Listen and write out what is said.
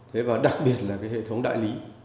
thế và đặc biệt là cái hệ thống đại lý